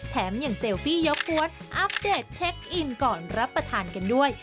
แถมอย่างเซลฟี่ยกกวนอัปเดตเช็คอินก่อนรับประทานกันด้วย